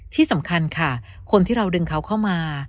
ที่สำคัญค่ะคนที่เราดึงเขาเข้ามา